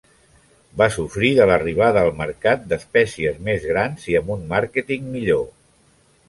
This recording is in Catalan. Va sofrir de l'arribada al mercat d'espècies més grans i amb un màrqueting millor.